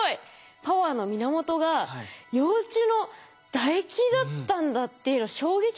パワーの源が幼虫の唾液だったんだっていうのは衝撃的なんですけど。